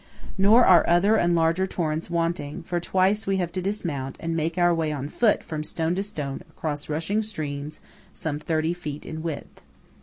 Nor are other and larger torrents wanting; for twice we have to dismount and make our way on foot from stone to stone across rushing streams some thirty feet in width.